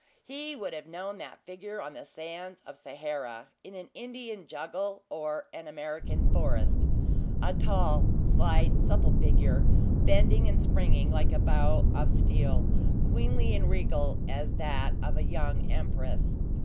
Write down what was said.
He would have known that figure on the sands of Sahara, in an Indian jungle, or an American forest a tall, slight, supple figure, bending and springing like a bow of steel, queenly and regal as that of a young empress.